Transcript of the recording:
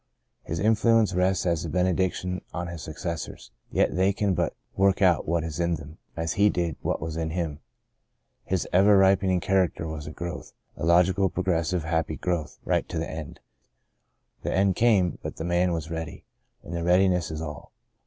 His influence rests as a bene diction on his successors ; yet they can but work out what is in them, as he did what was in him. His ever ripening character was a growth — a logical, progressive, happy growth — right to the end. The end came, but the man was ready — and the readiness is all.